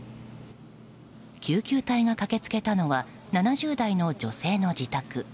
救急隊が駆け付けたのは７０代の女性の自宅。